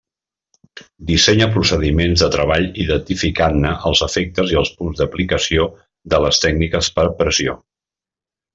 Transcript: Dissenya procediments de treball identificant-ne els efectes i els punts d'aplicació de les tècniques per pressió.